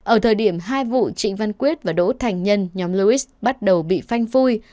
ở thời điểm hai vụ trịnh văn quyết và đỗ thành nhân nhóm lois bắt đầu bị phanh phui